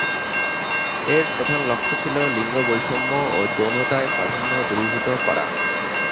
এর প্রধান লক্ষ্য ছিল লিঙ্গ বৈষম্য ও যৌনতায় প্রাধান্য দূরীভূত করা।